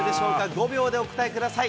５秒でお答えください。